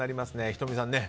仁美さんね。